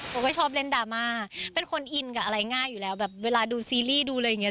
เขาก็ชอบเล่นดราม่าเป็นคนอินกับอะไรง่ายอยู่แล้วแบบเวลาดูซีรีส์ดูอะไรอย่างเงี้